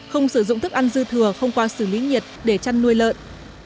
không sử dụng thức ăn dư thừa không qua xử lý nhiệt để chăn nuôi lợn